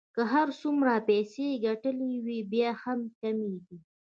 که هر څومره پیسې يې ګټلې وې بیا هم کمې دي.